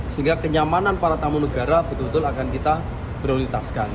sehingga kenyamanan para tamu negara betul betul akan kita prioritaskan